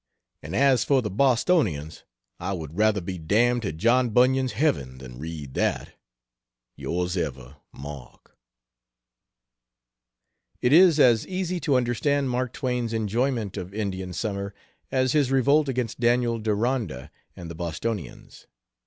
And as for "The Bostonians," I would rather be damned to John Bunyan's heaven than read that. Yrs Ever MARK It is as easy to understand Mark Twain's enjoyment of Indian Summer as his revolt against Daniel Deronda and The Bostonians.